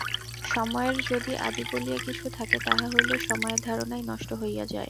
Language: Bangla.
সময়ের যদি আদি বলিয়া কিছু থাকে, তাহা হইলে সময়ের ধারণাই নষ্ট হইয়া যায়।